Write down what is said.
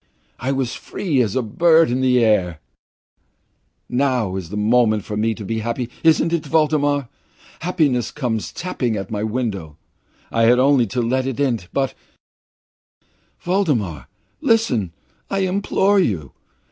I was free as a bird of the air. Now is the moment for me to be happy, isn't it, Voldemar? Happiness comes tapping at my window, I had only to let it in but Voldemar, listen, I implore you!